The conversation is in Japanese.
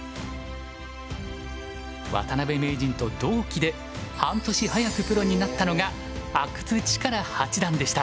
渡辺名人と同期で半年早くプロになったのが阿久津主税八段でした。